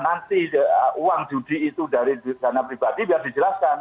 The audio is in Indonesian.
nanti uang judi itu dari dana pribadi biar dijelaskan